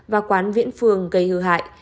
và quán vĩnh phương gây hư hại